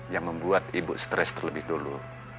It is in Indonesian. yang membuat ibu stres terlebih dulu